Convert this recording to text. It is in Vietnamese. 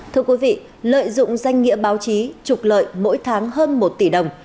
thưa quý vị lợi dụng danh nghĩa báo chí trục lợi mỗi tháng hơn một tỷ đồng